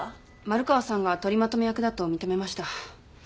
丸川さんが取りまとめ役だと認めました。